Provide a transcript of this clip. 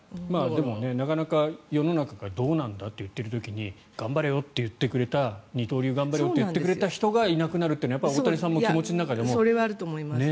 でもなかなか世の中がどうなんだと言っている時に二刀流、頑張れよって言ってくれた人がいなくなるっていうのは大谷さんの気持ちの中でも。それはあると思います。